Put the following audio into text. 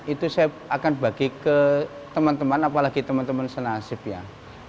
itu saya akan bagi ke teman teman apalagi yang berada di luar negara